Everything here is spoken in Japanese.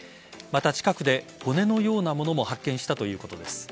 また、近くで骨のようなものも発見したということです。